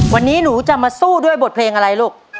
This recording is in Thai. วันนี้หนูจะมาสู้ด้วยบทเพลงอะไรลูก